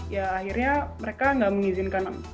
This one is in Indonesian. ya akhirnya mereka nggak mengizinkan